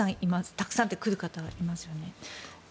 たくさんというか来る方はいますよね。